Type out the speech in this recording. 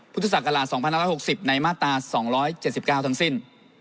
พุทธศักราช๒๕๖๐ในมาตรา๒๗๙ทั้งสิ้น